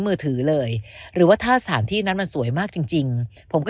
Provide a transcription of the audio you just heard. มือถือเลยหรือว่าถ้าสถานที่นั้นมันสวยมากจริงจริงผมก็